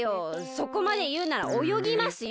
そこまでいうならおよぎますよ！